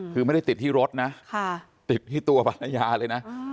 คือไม่ได้ติดที่รถนะติดที่ตัวภรรยาเลยนะ